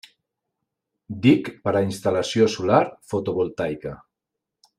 DIC per a instal·lació solar fotovoltaica.